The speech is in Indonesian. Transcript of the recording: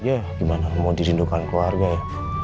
ya gimana mau dirindukan keluarga ya